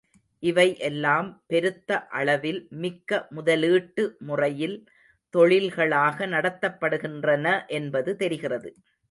இவை எல்லாம் பெருத்த அளவில் மிக்க முதலீட்டு முறையில் தொழில்களாக நடத்தப்படுகின்றன என்பது தெரிகிறது.